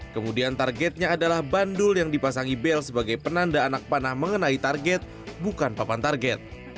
kemudian targetnya adalah bandul yang dipasangi bel sebagai penanda anak panah mengenai target bukan papan target